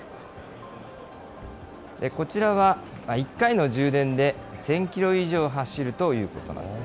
こちらは、１回の充電で１０００キロ以上走るということです。